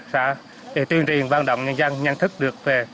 để tuyên truyền văn động nhân dân nhận thức được về